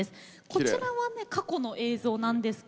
こちらは過去の映像です。